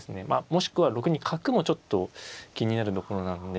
もしくは６二角もちょっと気になるところなんで。